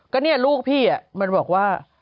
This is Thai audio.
ก็เนี่ยลูกพี่มันบอกว่า